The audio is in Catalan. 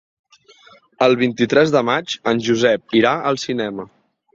El vint-i-tres de maig en Josep irà al cinema.